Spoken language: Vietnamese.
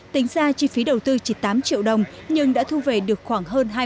tính ra chi phí đầu tư chỉ tám triệu đồng nhưng đã thu về được khoảng hơn